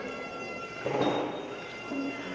สวัสดีครับทุกคน